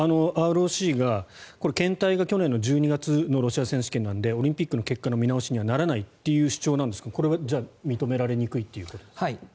ＲＯＣが検体が去年の１２月のロシア選手権なのでオリンピックの結果の見直しにはならないという主張ですがこれは認められにくいということですか？